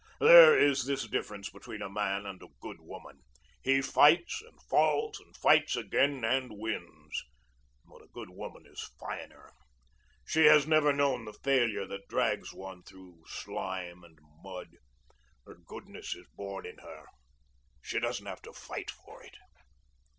There is this difference between a man and a good woman. He fights and falls and fights again and wins. But a good woman is finer. She has never known the failure that drags one through slime and mud. Her goodness is born in her; she doesn't have to fight for it."